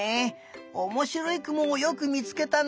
おもしろいくもをよくみつけたね。